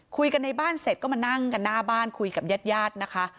คุยกันในบ้านเสร็จก็มานั่งกันหน้าบ้านคุยกับญาติญาตินะคะ